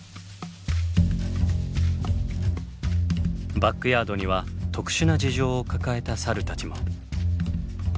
バックヤードには特殊な事情を抱えたサルたちも。